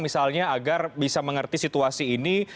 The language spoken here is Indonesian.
misalnya agar bisa mengerti situasi ini